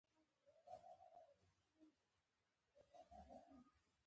پړانګ د تېروتنې نه خلاص حیوان دی.